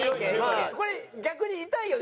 これ逆に痛いよね